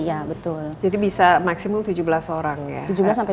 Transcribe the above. jadi bisa maksimum tujuh belas orang ya